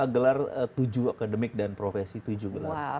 gelar tujuh akademik dan profesi tujuh gelar